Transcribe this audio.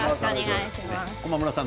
駒村さん